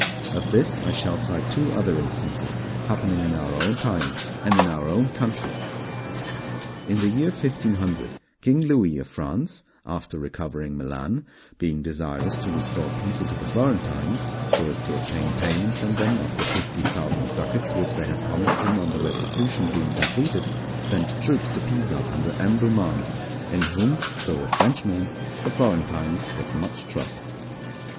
Of this I shall cite two other instances happening in our own times, and in our own country. In the year 1500, King Louis of France, after recovering Milan, being desirous to restore Pisa to the Florentines, so as to obtain payment from them of the fifty thousand ducats which they had promised him on the restitution being completed, sent troops to Pisa under M. Beaumont, in whom, though a Frenchman, the Florentines put much trust.